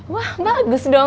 wah bagus dong